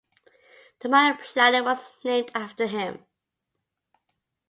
The minor planet was named after him.